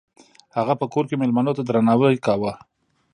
هغه په کور کې میلمنو ته درناوی کاوه.